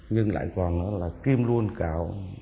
nhưng lại còn là kim luân cạo